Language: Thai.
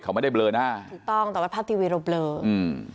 เขาไม่ได้เบลอหน้าถูกต้องแต่ว่าภาพทีวีเราเบลออืม